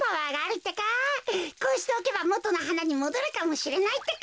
こうしておけばもとのはなにもどるかもしれないってか。